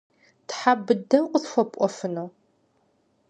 Тхьэ быдэу къысхуэпӀуэфыну?